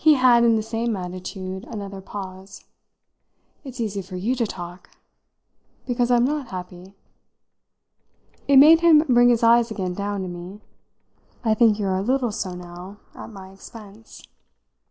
He had, in the same attitude, another pause. "It's easy for you to talk!" "Because I'm not happy?" It made him bring his eyes again down to me. "I think you're a little so now at my expense."